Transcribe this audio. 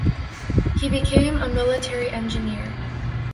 He became a military engineer.